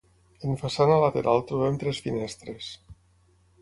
En façana lateral trobem tres finestres.